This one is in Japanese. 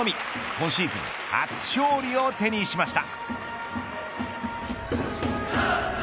今シーズン初勝利を手にしました。